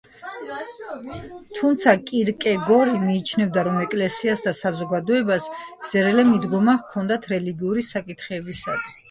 თუმცა, კირკეგორი მიიჩნევდა, რომ ეკლესიას და საზოგადოებას ზერელე მიდგომა ჰქონდათ რელიგიური საკითხებისადმი.